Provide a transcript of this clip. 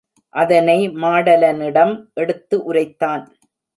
அதனை மாடலனிடம் எடுத்து உரைத்தான்.